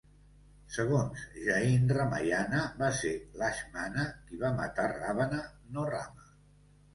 Segons Jain Ramayana, va ser Laxmana qui va matar Ravana, no Rama.